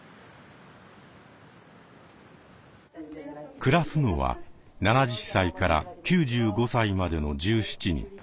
暮らすのは７０歳から９５歳までの１７人。